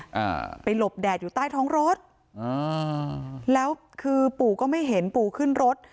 อ่าไปหลบแดดอยู่ใต้ท้องรถอ่าแล้วคือปู่ก็ไม่เห็นปู่ขึ้นรถ